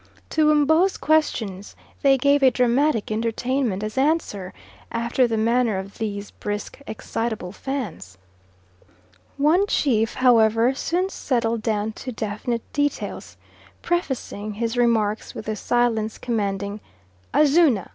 To M'bo's questions they gave a dramatic entertainment as answer, after the manner of these brisk, excitable Fans. One chief, however, soon settled down to definite details, prefacing his remarks with the silence commanding "Azuna!